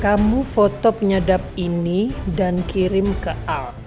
kamu foto penyadap ini dan kirim ke a